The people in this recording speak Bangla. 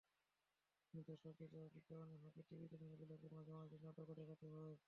কিন্তু দর্শকের চাপে বিজ্ঞাপনের ফাঁকে টিভি চ্যানেলগুলোকে মাঝে মাঝে নাটকও দেখাতে হয়।